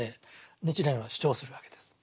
日蓮は主張するわけです。